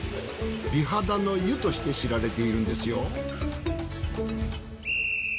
美肌の湯として知られているんですよ。